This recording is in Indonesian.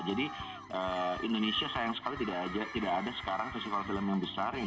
jadi indonesia sayang sekali tidak ada sekarang festival film yang besar